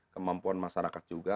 kemampuan masyarakat juga